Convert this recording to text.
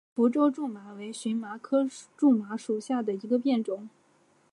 福州苎麻为荨麻科苎麻属下的一个变种。